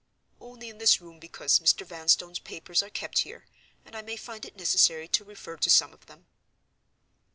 "Only in this room, because Mr. Vanstone's papers are kept here, and I may find it necessary to refer to some of them."